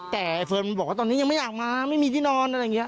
แต่ไอเฟิร์นบอกว่าตอนนี้ยังไม่อยากมาไม่มีที่นอนอะไรอย่างนี้